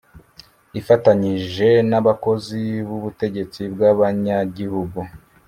ifatanyije n' abakozi b' ubutegetsi bw' abanyagihugu